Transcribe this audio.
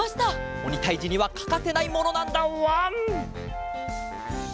おにたいじにはかかせないものなんだわん！